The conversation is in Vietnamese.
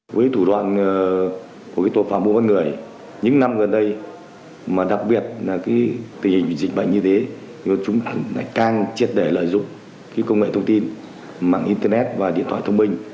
chúng đã triệt để lợi dụng công nghệ thông tin mạng internet và điện thoại thông minh